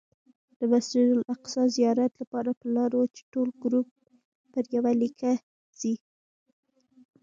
د مسجد الاقصی زیارت لپاره پلان و چې ټول ګروپ پر یوه لیکه ځي.